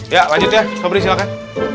ya lanjut ya fabri silahkan